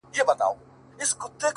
الله ته لاس پورته كړو ـ